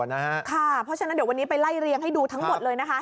เพราะฉะนั้นเดี๋ยววันนี้ไปไล่เรียงให้ดูทั้งหมดเลยนะคะ